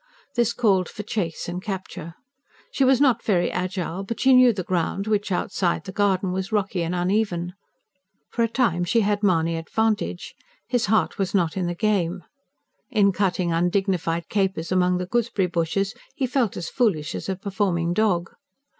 This called for chase and capture. She was not very agile but she knew the ground, which, outside the garden, was rocky and uneven. For a time, she had Mahony at vantage; his heart was not in the game: in cutting undignified capers among the gooseberry bushes he felt as foolish as a performing dog.